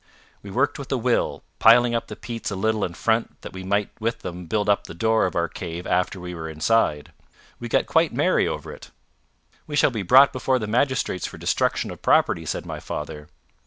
We worked with a will, piling up the peats a little in front that we might with them build up the door of our cave after we were inside. We got quite merry over it. "We shall be brought before the magistrates for destruction of property," said my father.